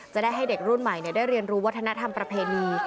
จะได้ให้เด็กรุ่นใหม่ได้เรียนรู้วัฒนธรรมประเพณี